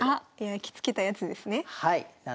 やきつけたやつですね？